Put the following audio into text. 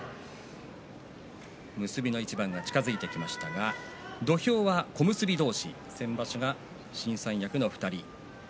結びの一番が近づいてきましたが土俵上は小結同士先場所、新三役の２人。